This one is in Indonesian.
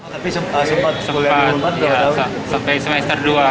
tapi sempat sampai semester dua